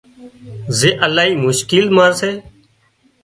زي الاهي مشڪل مان سي